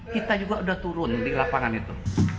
kita juga sudah turun di lapangan itu